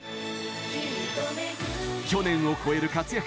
去年を超える活躍